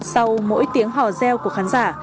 sau mỗi tiếng hòa reo của khán giả